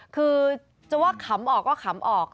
คือจะว่าขำออกก็ขำออก